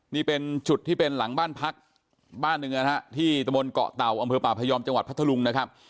นี่เป็นจุดที่เป็นหลังบ้านพักบ้านหนึ่งนะฮะที่ตะบนเกาะเต่าอำเภอป่าพยอมจังหวัดพัทธลุงนะครับ